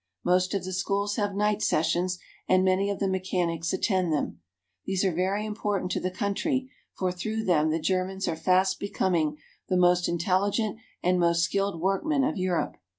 Most of the schools have night sessions, and many of the mechanics attend them. These are very important to the country, for through them the Germans are fast becom ing the most intelligent and most skilled workmen of Europe.